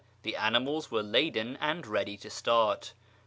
the animals were laden and ready to start.